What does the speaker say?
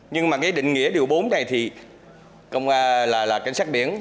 nhưng mà cái định nghĩa điều bốn này thì là cảnh sát biển